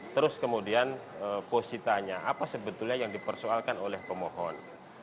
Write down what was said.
terus kemudian posisitanya apa sebetulnya yang dipersoalkan oleh pemohon